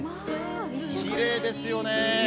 きれいですよね。